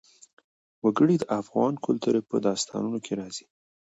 وګړي د افغان کلتور په داستانونو کې راځي.